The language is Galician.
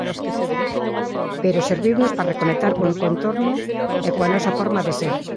Pero serviunos para reconectar co contorno e coa nosa forma de ser.